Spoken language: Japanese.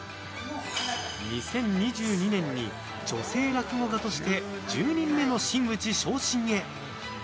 ２０２２年に女性落語家として１０人目の真打ち昇進へ。